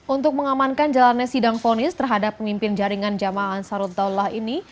untuk mengamankan jalannya sidang fonis terhadap pemimpin jaringan jamaah ansarut daulah ini